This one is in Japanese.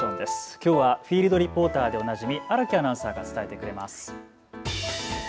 きょうはフィールドリポーターでおなじみ、荒木アナウンサーが伝えてくれます。